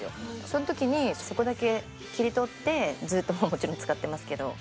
そんときにそこだけ切り取ってずっと使ってますけど。